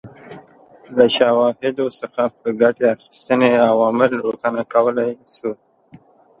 له شواهدو څخه په ګټې اخیستنې عوامل روښانه کولای شو.